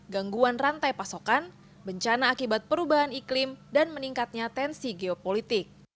gangguan rantai pasokan bencana akibat perubahan iklim dan meningkatnya tensi geopolitik